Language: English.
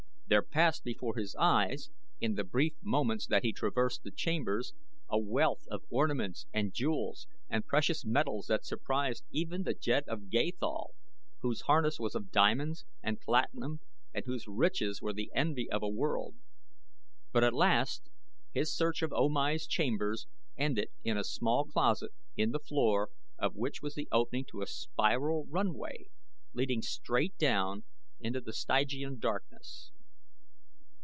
There passed before his eyes in the brief moments that he traversed the chambers, a wealth of ornaments and jewels and precious metals that surprised even the Jed of Gathol whose harness was of diamonds and platinum and whose riches were the envy of a world. But at last his search of O Mai's chambers ended in a small closet in the floor of which was the opening to a spiral runway leading straight down into Stygian darkness.